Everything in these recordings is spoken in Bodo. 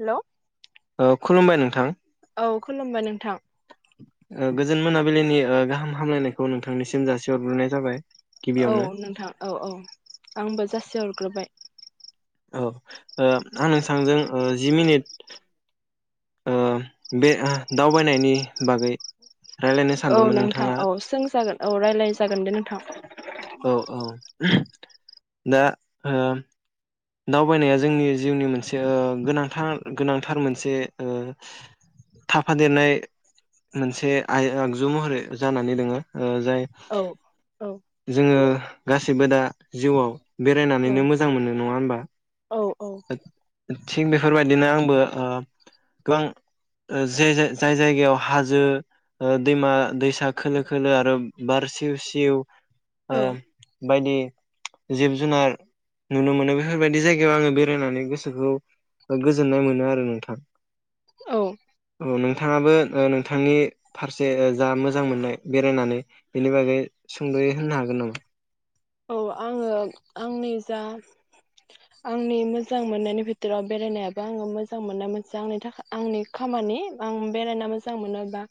हेल'। ओ खुलुमबाय नोंथां। औ खुलुमबाय नोंथां। ओ गोजोन मोनाबिलिनि ओ गाहाम हामलायनायखौ नोंथांनिसिम जासिहरग्रोनाय जाबाय। औ गिबियावनो नोंथां औ औ आंबो जासिहरग्रोबाय। औ ओ आं नोथांजों ओ जि मिनिट ओ बे ओ दावबायनायनि बागै रायलायनो औ सानदोंमोन नोंथां नोंथाङा औ सोंजागोन औ रायलाय जागोन दे नोंथां। औ औ दा ओ दावबायनाया जोंनि जिउनि मोनसे ओ गोनांथार गोनांथार मोनसे ओ थाफादेरनाय मोनसे आय आगजु महरै जानानै दोङो। ओ जाय औ औ जोङो गासैबो दा जिउआव बेरायनानैनो मोजां मोनो नङा होनबा औ औ थिग बेफोरबायदिनो आंबो ओ गोबां ओ जे जाय जायगायाव हाजो दैमा दैसा खोलो खोलो आरो बार सिव सिव ओ औ बायदि जिब जुनार नुनो मोनो बेफोरबायदि जायगायाव आङो बे बेरायनानै गोसोखौ गोजोननाय मोनो आरो नोंथां औ औ नोंथाङाबो ओ नोंथांनि फारसे जा मोजां मोननाय बेरायनानै बेनि बागै सुंद'यै होननो हागोन नामा औ आङो आंनि जा आंनि मोजां मोननायनि भितोराव बेरायनायाबो आङो मोजां मोननाय मोनसे आंनि थाखाय आंनि खामानि आं बेरायना मोजां मोनोबा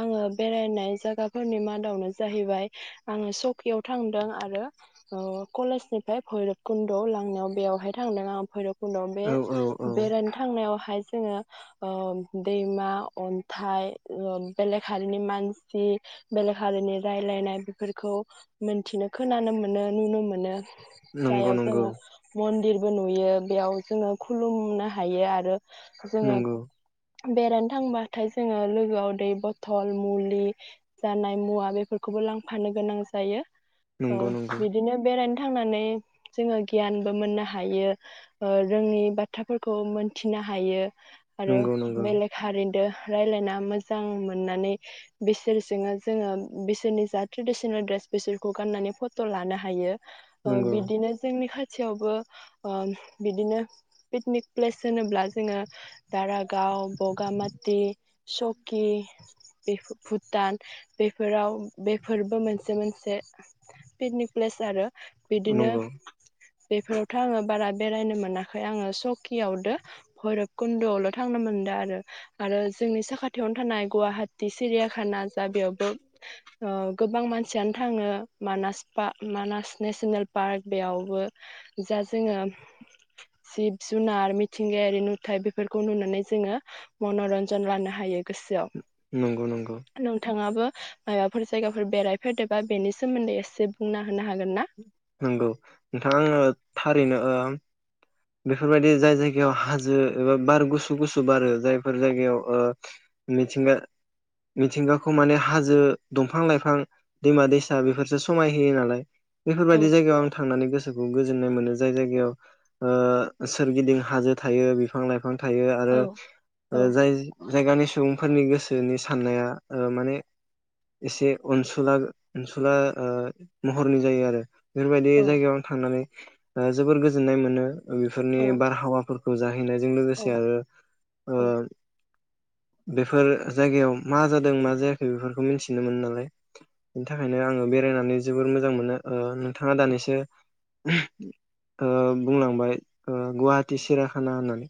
आङो बेरायनाय जायगाफोरनि मादावनो जाहैबाय आङो सकियाव थांदों आरो ओ कलेजनिफ्राय भैरब कुन्दआव लांनायाव बेयावहाय थांदों आं भैरब उनाव बे औ औ औ बेरायनो थांनायावहाय जोङो ओ दैमा अन्थाइ ओ बेलेक हारिनि मानसि बेलेक हारिनि रायलायनाय बेफोरखौ मोनथिनो खोनानो मोन नो नंगौ जायाव नंगौ जोङो मन्दिर बो नुयो बेयाव जोङो खुलुमनो हायो आरो जोङो नंगौ बेरायनो थांबाथाय जोङो लोगोआव दै बथल मुलि जानाय मुवा बेफोरखौबो लांफानो गोनां जायो। औ नंगौ नंगौ बिदिनो बेरायनो थांनानै जोङो गियानबो मोननो हायो ओ रोङै बाथ्राफोरखौ मोनथिनो हायो आरो नंगौ नंगौ बेलेग हारिदो रायलायना मोजां मोननानै बिसोरजोंङो जोङो बिसोरनि जा ट्रेडिसनेल ड्रेस बिसोरखौ गाननानै फ त' लानो हायो ओ नंगौ बिदिनो जोंनि खा थियावबो ओ बिदिनो पिकनिक प्लेस होनोब्ला जोङो दारागाव बगामाति चकि बेफो भुटान बेफोराव बेफोरबो मोनसे मोनसे पिकनिक प्लेस आरो बिदिनो नंगौ बेफोरावथ' आङो बारा बेरायनो मोनाखै आङो चकियावदो भैरब कुन्द'आवल' थांनो मोनदो आरो आरो जोंनि साखाथियावनो थानाय गुवाहाटी सिरिया खाना जा बेयावबो ओ गोबां मानसियानो थाङो मानास पा मानास नेसनेल पार्क बेयावबो जा जोङो जिब जुनार मिथिंगायारि नुथाय बेफोरखौ नुनानै जोङो मनरन्जन लानो हायो गोसोआव नंगौ नंगौ मायबाफोर जायगाफोर बेरायफेरदोबा बेनि सोमोन्दै एसे बुंना होनो हागोन ना? नंगौ नोंथां आङो थारैनो ओ बेफोरबायदि जाय जायगायाव हाजो एबा बार गुसु गुसु बारो जायफोर जायगायाव ओ मिथिंगा मिथिंगाखौ माने हाजो दंफां लाइफां दैमा दैसा बेफोरसो समाय होयो नालाय बेफोरबायदि औ जायगायाव आं थांनानै गोसो खौ गोजोननाय मोनो जाय जायगायाव ओ सोरगिदिं हाजो थायो बिफां लाइफां लायफां थायो आरो ओ औ जाय जायगानि सुबुं सुबुंफोरनि गोसोनि साननाया ओ माने एसे अनसुला अनसुला ओ महरनि जायो आरो बेफोरबायदि औ जायगायावनो थांनानै ओ जोबोर गोजोननाय मोनो बेफोरनि औ बारहावाफोरखौ जाहैनायजों लोगोसे औ आरो ओ औ बेफोर जायगायाव मा जादों मा जायाखै बेफोरखौ मिन्थिनो मोनो नालाय बेनि थाखायनो आङो बेरायनानै जोबोर मोजां मोनो ओ नोंथाङा दानिसो ओ बुंलांबाय ओ गुवाहाटि सिराखाना होननानै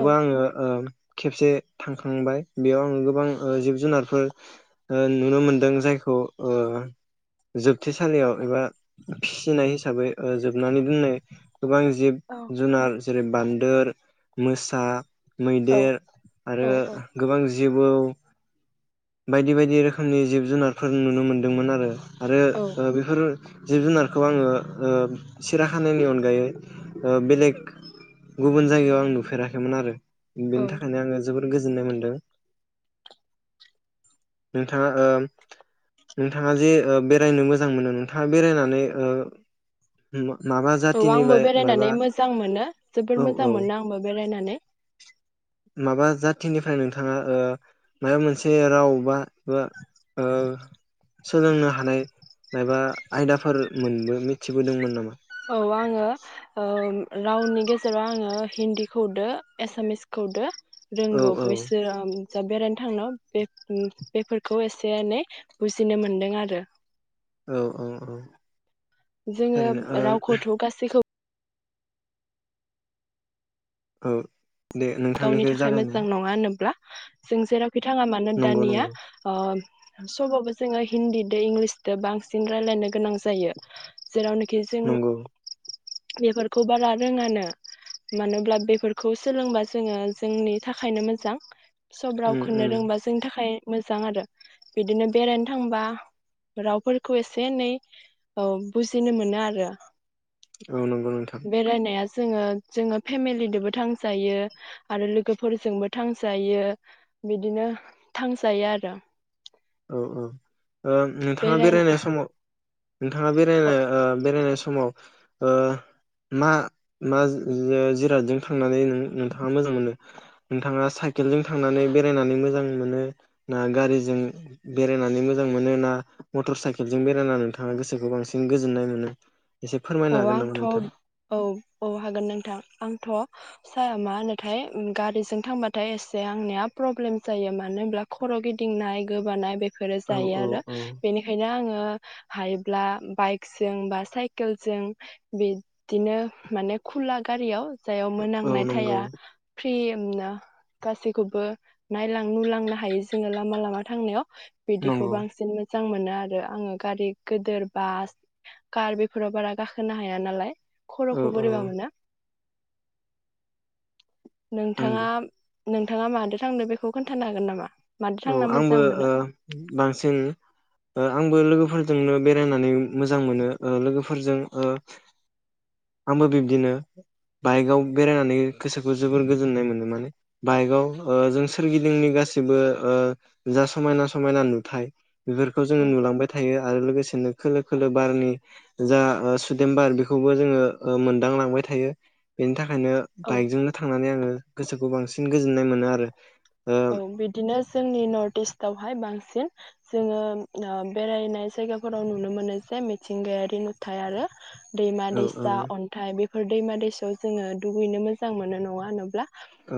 औ आङो ओ खेबसे थांखांबाय बेयाव आङो गोबां ओ जिब जुनारफोर ओ नुनो मोनदों जायखौ ओ जोबथेसालियाव एबा फिसिनाय हिसाबै ओ जोबनानै दोननाय गोबां जिब जुनार जेरै- बान्दोर मोसा मैदेर आरो औ औ गोबां जि जेबौ बायदि बायदि रोखोमनि जिब जुनारफोर नुनो मोन्दोंमोन आरो आरो औ ओ बे फोर जिब जुनारखौ आङो ओ सिरा खानायनि अनगायै ओ बेलेग गुबुन जायगायाव आं नुफेराखैमोन आरो। औ बेनि थाखायनो आङो जोबोद गोजोननाय मोनदों नोंथाङा ओ नोंथाङा जे ओ बेरायनो मोजां मोनो। नोंथाङा बेरायनानै ओ‌ मा औ आंबो बेरायनानै मोजां मोनो जोबोर औ औ मोजां मोनो आंबो बेरायनानै माबा जाथिनिफ्राय नोंथाङा ओ माबा मोनसे राव बा बा ओ सोलोंनो हानाय माबा आयदाफोर मोनबो मिथिबोदोंमोन नामा? औ आङो ओ रावनि गेजेराव आङो हिन्दी खौदो एसामिस खौदो औ रोंगौ औ बैसोर ओम जा बेरायनो थांनायाव बे बेफोरखौ एसे एनै बुजिनो मोनदों आरो औ औ औ जोङो थारैनो ओ रावखौथ' गासैखौ औ दे गावनि नोंथांनिखौ थाखाय जागायनाय मोजां नङा होनोब्ला जों जेराव बिथांआ मानो नंगौ दानिया नंगौ ओ सबावबो जोङो हिन्दीदो इंलिसदो बांसिन रायलायनो गोनां जायो जेरावनो खि जों नंगौ बेफोरखौ बारा रोङानो मानोब्ला बेफोरखौ सोलोंबासो जोङो जोंनि थाखायनो मोजां। सब उम रावखौनो उम रोंबा जोंनि थाखाय मोजां आरो बिदिनो बेरायनो थांबा रावफोरखौ एसे एनै ओ बुजिनो मोनो आरो। औ नंगौ नोंथां। बेरायनाया जोङो जोङो फेमिलिदोंबो थांजायो। आरो लोगोफोरजोंबो थांजायो बिदिनो थांजायो आरो। औ औ। ओ नोंथाङा बेराय बेरायनाय समाव नोंथाङा औ बेरायनो ओ बेरायनो समाव ओ मा मा ओ जिरादजों थांनानै नों-नोंथाङा मोजां मोनो? नोंथाङा साइकेलजों थांनानै बेरायनानै मोजां मोनो ना गारिजों? बेरायनानै मोजां मोनो ना मटर साइकेलजों बेरायनानै नोंथाङा गोसोखौ बांसिन गोजोननाय मोनो? एसे फोरमायनो औ हागोन नामा आंथ' नोंथां औ औ हागोन नोंथां आंथ' सा मा होनोथाय ओम गारिजों थांबाथाय एसे आंनिया प्रब्लेम जायो मानो होनब्ला खर' गिदिंनाय गोबानाय बे बेफोरो औ जायो औ आरो औ बेनिखायनो आङो हायोब्ला बाइकजों बा साइक केलजों बिदिनो माने खुला गारियाव सायाव औ मोनामनाय नंगौ थाया। फ्रिनो गासैखौबो नायलां नुलांनो हायो जोङो लामा लामा थांनायाव। बिदिखौ नंगौ बांसिन मोज मोजां मोनो आरो आङो गारि गोदोर बास कार बेफ फोराव बारा गाखोनो हाया नालाय। औ खर'खौ औ बोरैबा मोना। नोंथाङा आंबो नोंथाङा मादो थांदो बेखौ खोन्थानो हागोन नामा? मादो औ थांना आंबो मोजां मोनो ओ बांसिन ओ आंबो लोगोफोरजोंनो बेरायनानै मोजां मोनो ओ लोगोफोरजों ओ आंबो बिब्दिनो बाइकआव बेरायनानै गोसोखौ जोबोर गोजोननाय मोनो माने बाइकआव ओ जों सोरगिदिंनि गासैबो ओ जा समायना समायना नुथाय बेफोरखौ जोङो नुलांबाय थायो आरो लोगोसेनो खोलो खोलो बारनि जा सुदेम बार बेखौबो जोङो मोनदांलांबाय थायो बेनि थाखाय बेओंखायनो औ बाइकजोंनो थांनानै आङो गोसोखौ बांसिन गोजोननाय मोनो आरो औ बिदिनो जोंनि नर्थ इस्टआवहाय बांसिन जोङो बेरायनाय जायगाफोराव नुनो मोनो जे मिथिंगायारि नुथाय आरो दैमा औ दैसा अन्थाइ बे बेफोर दैमा दैसायाव जोङो दुगैनो मोजां मोनो नङा होनोब्ला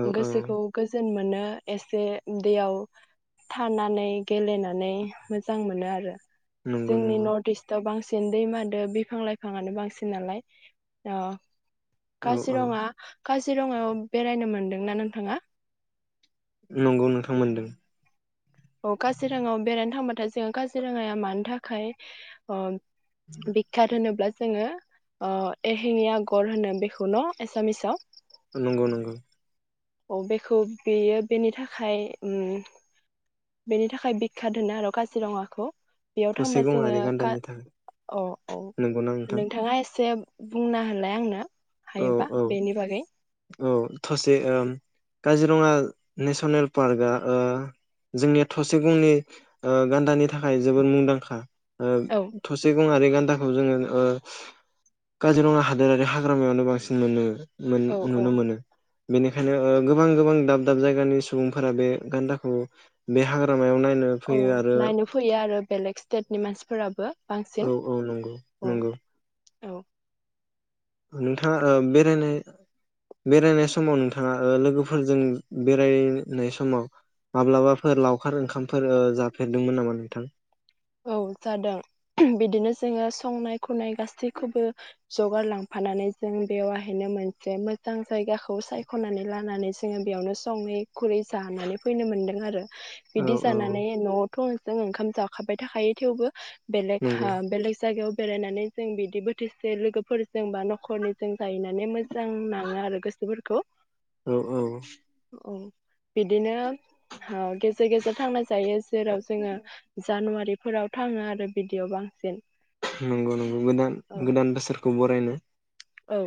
औ औ गोसोखौ गोजोन मोनो एसे दैयाव थानानै गेलेनानै मोजां मोनो आरो नंगौ जोंनि नंगौ नर्थ इस्टआव बांसिन बि दै मादो बिफां लाइफांआानो बांसिन नालाय‌ अ औ औ काजिरङा काजिरङायाव बेरायनो मोनदोंना नोंथाङा नंगौ नोंथांमोनदों औ काजिरङायाव बेरायनो थांबाथाय जोंङो काजिरङाया मानो थाखाय अ [unintelligible] होनोब्ला जोङो ओ एहिनि आगर होनो बेखौ न एसामिसाव नंगौ नंगौ औ बेखौ बेयो बेनि थाखाय उम बेनि थाखाय बिखा द होनो आरो काजिरङाखौ बेयाव थसे थांबा जोंङो गंआरि गान्दानि थाखाय औ औ नंगौना नोंथां नोंथाङा एसे बुंना हालाय आंनो औ हायोबा औ बेनि बागै औ थसे काजिरङा नेसनेल पार्कआ ओ जोंनिया थसे गंनि ओ गान्दानि थाखाय जोबोर मुंदांखा ओ औ थसे गंआरि गानदाखौ जोंङो ओ काजिरङा हादोरारि लामायानो बांसिन मोनो मोन औ औ नुनो मोनो बेनिखायनो ओ गोबां गोबां दाब दाब जायगानि सुबुंफोरा बे गान्दाखौ बे हाग्राम औ नायनो फैयो आरो बेलेग स्टेटनि मानसिफोराबो बांसिन औ औ नंगौ औ नंगौ औ नोंथाङा बेरायनाय बेरायनाय समाव नोंथाङा लोगोफोरजों बेरायनाय समाव माब्लाबाफोर लावखार ओंखामफोर जाफेरदोंमोन नामा नोंथां औ जादों बिदिनो जोंङो संनाय खुरनाय गासैखौबो जगार लांफानानै जों बेवहायनो मोनसे मोजां जायगाखौ सायखनानै लानानै जोंङो बेयावनो सङै खुरै जानानै फैनो मोनदों आरो औ बिदि औ जानानै न फुंजों ओंखाम जाखाबाय थाखायो थेवबो बेलेग नंगौ हा बेलेग जायगायाव बेरायनानै जों बिदि बोथोरसे लोगोफोरजों बा नखरनिजों जाहैनानै मोजां नांङो आरो गोसोफोरखौ औ औ औ बिदिनो औ गेजेर गेजेर थांनाय जायो जेराव जोंङो जानुवारि फोराव थांङो आरो बिदियाव बांसिन नंगौ नंगौ गोदान औ गोदान बोसोरखौ बरायनो औ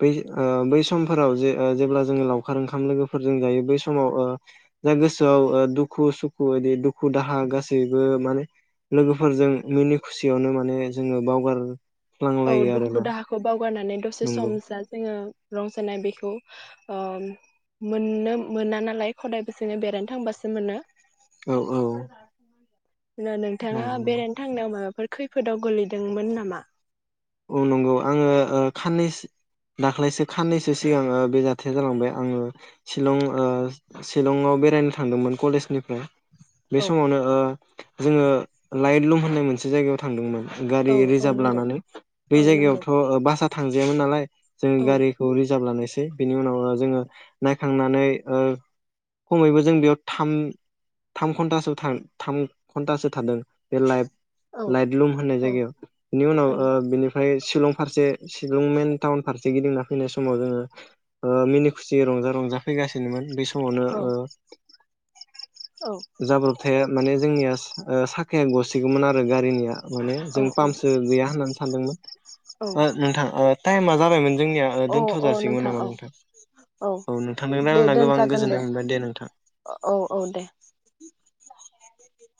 बै ओ बै समफोराव जे जेब्ला जोङो लावखार ओंखाम लोगोफोरजों जायो बै समाव ओ जा गोसोआव ओ दुखु सुखु बिदि दुखु दाहा गासैबो माने लोगोफोरजों मिनि खुसियावनो माने जोङो बावगार लांलायो आरोना गारनानै दसे सम नंगौ जा जोङो रंजानाय बेखौ ओ मोननो मोना नालाय खदायबो जोंङो बेरायनो थांबासो मोनो। औ ना नोंथाङा नंगौ नंगौ बेरायनो थां नामा फोर खैफोदाव गोलैदोंमोन नामा औ नंगौ आङो खाननैसो दाख्लैसो खाननैसो सिगां बे जाथाया जालांबाय आङो सिलं ओ सिलंआव बेरायनो थांदोंमोन कलेजनिफ्राय बे औ समावनो ओ जोङो लाइट लुम होननाय मोनसे जायगायाव थांदोंमोन गारि औ औ रिजार्भ नंगौ लानानै औ बे नंगौ जायगायावथ' बा सा थांजायामोन नालाय जों औ गारिखौ रिजार्भ लानाय सै बिनि उनाव जोङो नायखांनानै ओ खमैबो जों बेयाव थाम थाम घन्टासो था थाम घन्टासो थादों बे लाइभ औ लाइट लुम होन औ जगायाव बिनि उनाव औ ओ बिनि सिलं फारसे सिलं मेन टाउन फारसे गिदिंना फैनाय समाव जोङो ओ मिनि खुसियै रंजा रंजा फैगानोमोन बे स मावनो औ ओ औ जाब्रबथाया माने जोंनिया ओ साखाया गसिगौमोन आरो गारिनिया माने जों पाम्पसो गैया होननानै सानदोंमोन। औ ओ नोंथां ओ टाइमा जाबायमोन जोंनिया औ दोनथ' अ अ जासिगौमोन नामा औ नोंथां औ नोंथांजों दे रायज्लायना गोबां दोनजागोन गोजोननाय मोनबाय दे नोंथां। औ औ दे